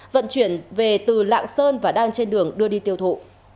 vận chuyển về từ lạng sơn và đang trên đường đưa đi tiêu thụ